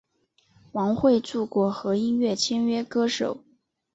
王汇筑果核音乐签约歌手。